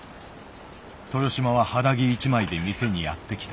豊島は肌着一枚で店にやって来た。